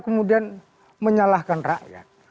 kemudian menyalahkan rakyat